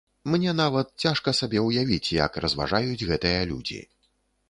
Мне нават цяжка сабе ўявіць, як разважаюць гэтыя людзі.